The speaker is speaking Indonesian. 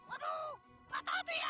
aduh gak tau tuh ya